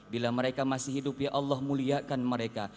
bila mereka masih hidup ya allah muliakan mereka